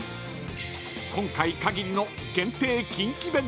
［今回かぎりの限定キンキ弁当］